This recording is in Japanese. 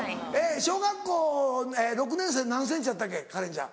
小学校６年生で何ｃｍやったっけカレンちゃん。